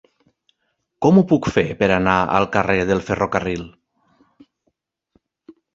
Com ho puc fer per anar al carrer del Ferrocarril?